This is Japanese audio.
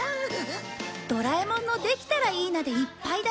ドラえもんの「できたらいいな」でいっぱいだよ！